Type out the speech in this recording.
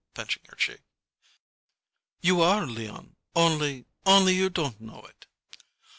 pinching her cheek. "You are, Leon only only, you don't know it!"